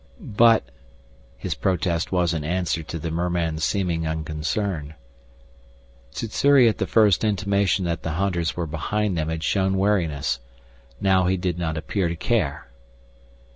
"But " His protest was in answer to the merman's seeming unconcern. Sssuri at the first intimation that the hunters were behind them had shown wariness. Now he did not appear to care.